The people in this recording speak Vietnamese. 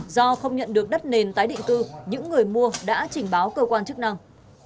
do không nhận được đất nền tái định cư những người mua đã trình báo cơ quan chức năng